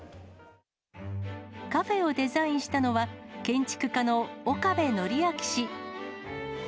カフェをデザインしたのは、建築家の岡部憲明氏。